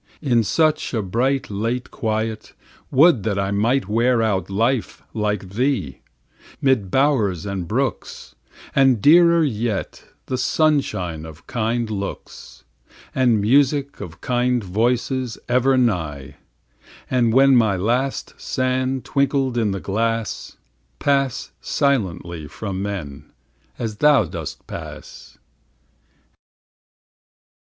In such a bright, late quiet, would that I Might wear out life like thee, 'mid bowers and brooks And dearer yet, the sunshine of kind looks, And music of kind voices ever nigh; And when my last sand twinkled in the glass, Pass silently from men, as thou dost pass.